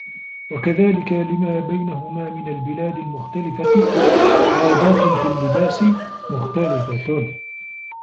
وَكَذَلِكَ لِمَا بَيْنَهُمَا مِنْ الْبِلَادِ الْمُخْتَلِفَةِ عَادَاتٌ فِي اللِّبَاسِ مُخْتَلِفَةٌ